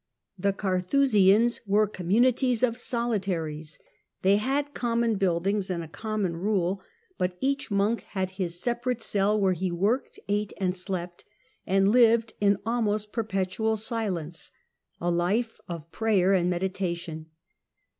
The Carthusians were communities of solitaries. They had common buildings and a common rule, but each 111 112 THE CENTRAL PERIOD OF THE MIDDLE AGE monk had his separate cell, where he worked, ate and slept, and lived in almost perpetual silence, a life of prayer and meditation.